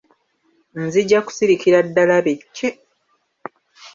Nzija kusirikira ddala be cce!